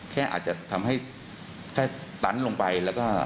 อาจจะทำให้แค่ตันลงไปแล้วก็